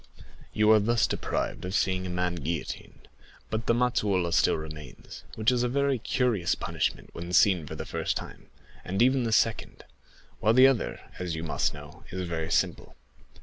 You are thus deprived of seeing a man guillotined; but the mazzolata still remains, which is a very curious punishment when seen for the first time, and even the second, while the other, as you must know, is very simple.